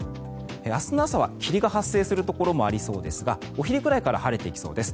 明日の朝は霧が発生するところもありそうですがお昼ぐらいから晴れてきそうです。